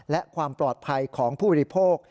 และความปลอดภัยของผู้บริโภค